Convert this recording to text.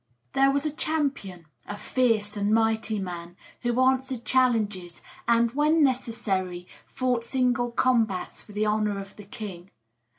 There was a champion a fierce and mighty man who answered challenges, and, when necessary, fought single combats for the honour of the king.